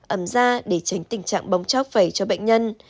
ấm da để tránh tình trạng bong chóc vẩy cho bệnh nhân